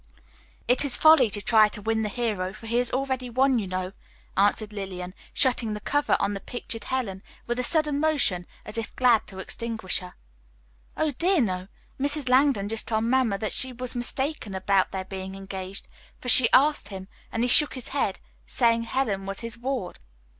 "It is folly to try to win the hero, for he is already won, you know," answered Lillian, shutting the cover on the pictured Helen with a sudden motion as if glad to extinguish her. "Oh dear, no; Mrs. Langdon just told Mamma that she was mistaken about their being engaged; for she asked him and he shook his head, saying Helen was his ward."